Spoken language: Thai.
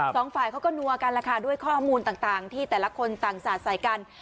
สองฝ่ายเขาก็นัวกันแหละค่ะด้วยข้อมูลต่างที่แต่ละคนต่างสาดใส่กัน